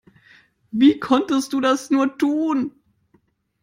Wie konntest du das nur tun?